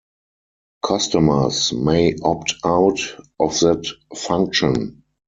Customers may opt out of that function.